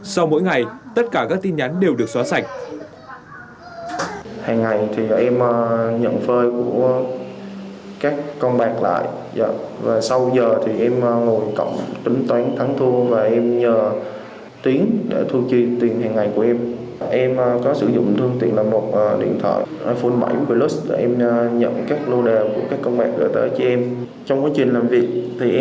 sau mỗi ngày tất cả các tin nhắn đều được xóa sạch